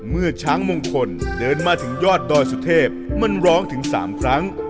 เมื่อช้างมงคลเดินมาถึงยอดดอยสุเทพมันร้องถึง๓ครั้ง